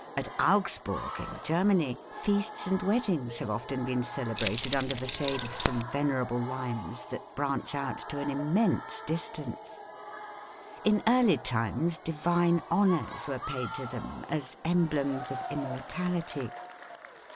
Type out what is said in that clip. At Augsburg, in Germany, feasts and weddings have often been celebrated under the shade of some venerable limes that branch out to an immense distance. In early times divine honors were paid to them as emblems of immortality.